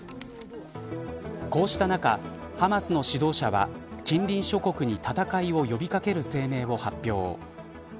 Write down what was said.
こうした中、ハマスの指導者は近隣諸国に戦いを呼び掛ける声明を発表。